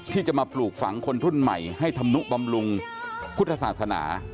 ที่จะมาปลูกฝังคนรุ่นใหม่ให้ธรรมนุบำรุงพุทธศาสนา